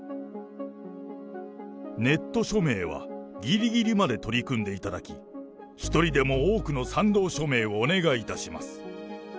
ネット署名はぎりぎりまで取り組んでいただき、一人でも多くの賛同署名をお願いいたします。